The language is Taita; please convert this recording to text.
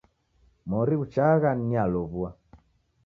Mori ghuchagha nialow'ua.